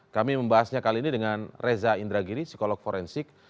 kami membahasnya kali ini dengan reza indragiri psikolog forensik